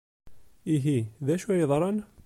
Ihi, d acu ay yeḍran?